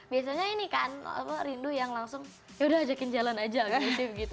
biasanya ini kan rindu yang langsung yaudah ajakin jalan aja kan begitu